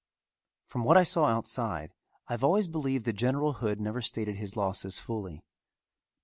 From what I saw while outside I have always believed that General Hood never stated his losses fully.